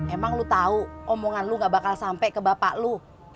emang lu tahu omongan lu gak bakal sampai ke bapak lu